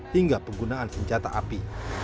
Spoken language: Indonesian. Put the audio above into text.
hingga penggunaan senjata api